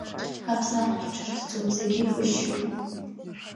Аԥсаатәгьы ҿырҭӡом, зегь еиқәышьшьуп…